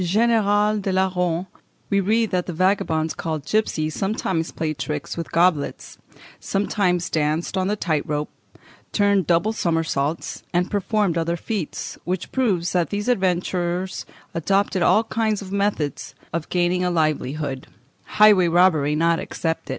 ] In the "Histoire Générale des Larrons" we read that the vagabonds called gipsies sometimes played tricks with goblets, sometimes danced on the tight rope, turned double somersaults, and performed other feats (Fig. 373), which proves that these adventurers adopted all kinds of methods of gaining a livelihood, highway robbery not excepted.